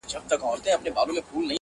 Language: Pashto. زما د آشنا غرونو کيسې کولې،